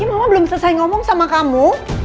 mama belum selesai ngomong sama kamu